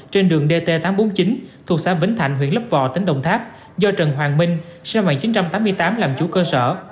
trên đường dt tám trăm bốn mươi chín thuộc xã vĩnh thạnh huyện lấp vò tỉnh đồng tháp do trần hoàng minh sân mạng chín trăm tám mươi tám làm chủ cơ sở